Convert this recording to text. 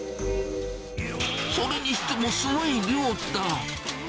それにしてもすごい量だ。